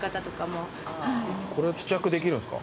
これ試着できるんですか？